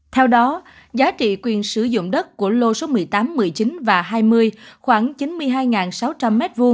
theo đó giá trị quyền sử dụng đất của lô số một mươi tám một mươi chín và hai mươi khoảng chín mươi hai sáu trăm linh m hai